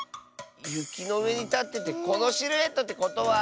ゆきのうえにたっててこのシルエットってことは。